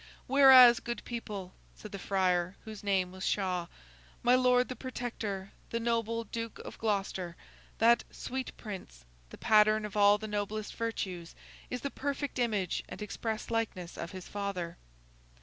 'Whereas, good people,' said the friar, whose name was Shaw, 'my Lord the Protector, the noble Duke of Gloucester, that sweet prince, the pattern of all the noblest virtues, is the perfect image and express likeness of his father.